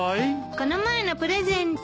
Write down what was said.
この前のプレゼント。